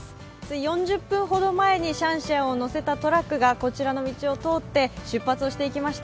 ４０分ほど前にシャンシャンを乗せたトラックがこちらの道を通って出発をしていきました。